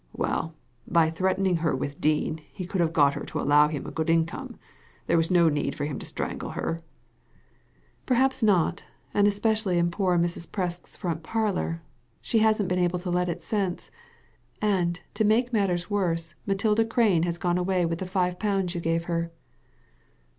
"Well, by threatening her with Dean he could have got her to allow him a good income. There was no need for him to strangle her." " Perhaps not ; and especially in poor Mrs. Presk's front parlour. She hasn't been able to let it since. And, to make matters worse, Matilda Crane has gone away with the five pounds you gave her."